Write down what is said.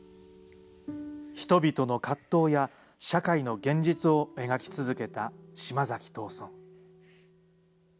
人々の葛藤や社会の現実を描き続けた島崎藤村。